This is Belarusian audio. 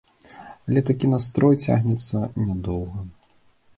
Але такі настрой цягнецца нядоўга.